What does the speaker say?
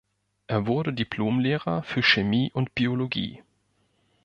Er wurde Diplomlehrer für Chemie und Biologie.